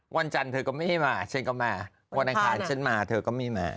วันจันทร์เธอก็ไม่ให้มาฉันก็มาวันอังคารฉันมาเธอก็ไม่มา